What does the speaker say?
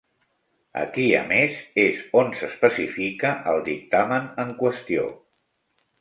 Aquí, a més, és on s'especifica el dictamen en qüestió.